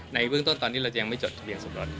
ในเบื้องต้นตอนนี้เราจะยังไม่จดทะเบียนสมรส